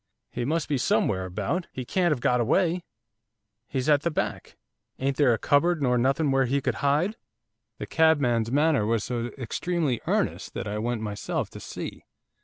He must be somewhere about, he can't have got away, he's at the back. Ain't there a cupboard nor nothing where he could hide?' The cabman's manner was so extremely earnest that I went myself to see.